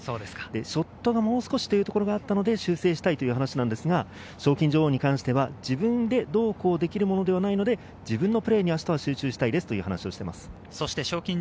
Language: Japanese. ショットがもう少しだったので修正したいということですが、賞金女王に関しては自分でどうこうできるものではないので、明日は自分のプレーに集中したいという話でした。